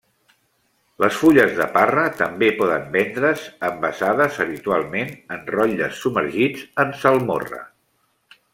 Les fulles de parra també poden vendre's envasades, habitualment en rotlles submergits en salmorra.